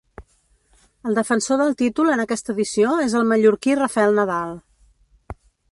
El defensor del títol en aquesta edició és el mallorquí Rafael Nadal.